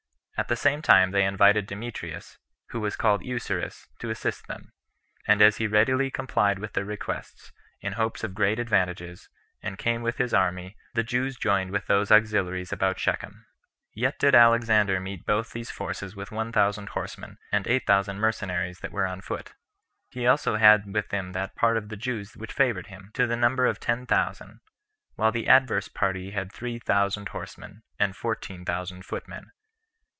At the same time they invited Demetrius, who was called Eucerus, to assist them; and as he readily complied with their requests, in hopes of great advantages, and came with his army, the Jews joined with those their auxiliaries about Shechem. 5. Yet did Alexander meet both these forces with one thousand horsemen, and eight thousand mercenaries that were on foot. He had also with him that part of the Jews which favored him, to the number of ten thousand; while the adverse party had three thousand horsemen, and fourteen thousand footmen.